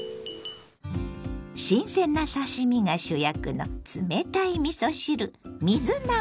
新鮮な刺身が主役の冷たいみそ汁水なます。